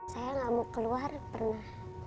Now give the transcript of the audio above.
saya nggak mau keluar pernah